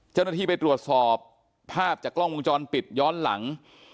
เจ้าหน้าที่ไปตรวจสอบภาพจากกล้องวงจรปิดย้อนหลัง